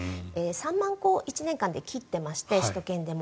３万戸、１年間で切っていまして首都圏でも。